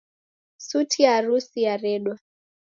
Suti ya arusi yaredwa